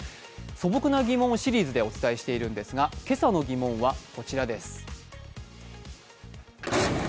素朴な疑問をシリーズでお伝えしているんですが、今朝の疑問はこちらです。